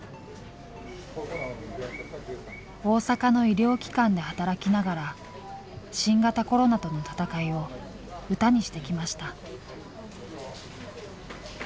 大阪の医療機関で働きながら新型コロナとの闘いを歌にしてきました。